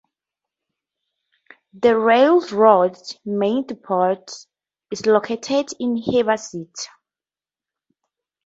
The railroad's main depot is located in Heber City.